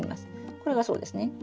これがそうですね。